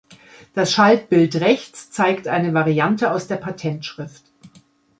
Das Schaltbild rechts zeigt eine Variante aus der Patentschrift.